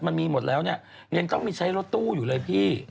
มันมีหมดแล้วเนี่ยยังต้องมีใช้รถตู้อยู่เลยพี่